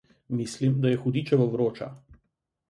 Mislim, da je hudičevo vroča.